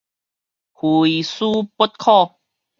非思不可